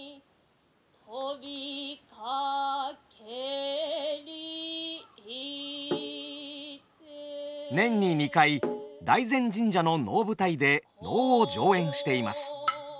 飛びかけりて年に２回大膳神社の能舞台で能を上演しています。